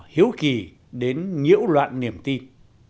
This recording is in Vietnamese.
hiếu kỳ đến nhiễu loạn niềm tin